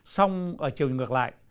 trường ngược lại